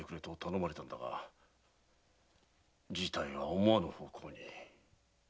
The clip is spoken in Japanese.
事態は思わぬ方向に。